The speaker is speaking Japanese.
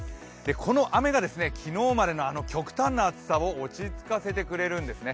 この雨が昨日までの極端な暑さを落ち着かせてくれるんですね。